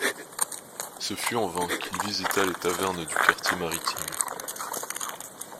Ce fut en vain qu’il visita les tavernes du quartier maritime !